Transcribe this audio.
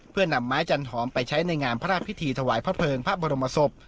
เพื่อนำไม้จันหอมไปใช้ในงานพระราชพิธีถวายพระเภิงพระบรมศพ